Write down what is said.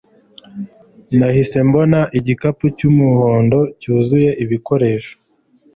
Nahise mbona igikapu cy'umuhondo cyuzuye ibikoresho